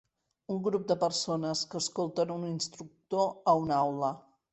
Un grup de persones que escolten un instructor a una aula.